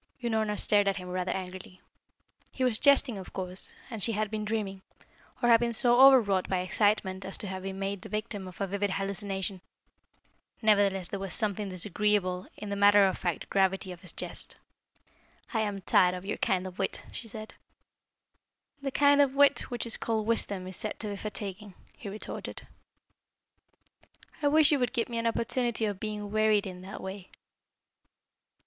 Unorna stared at him rather angrily. He was jesting, of course, and she had been dreaming, or had been so overwrought by excitement as to have been made the victim of a vivid hallucination. Nevertheless there was something disagreeable in the matter of fact gravity of his jest. "I am tired of your kind of wit," she said. "The kind of wit which is called wisdom is said to be fatiguing," he retorted. "I wish you would give me an opportunity of being wearied in that way."